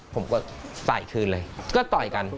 ผมก็ใส่คืนเลยก็ต่อยกัน